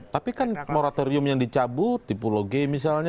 tapi kan moratorium yang dicabut tipologi misalnya